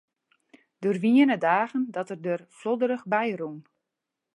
Der wiene dagen dat er der flodderich by rûn.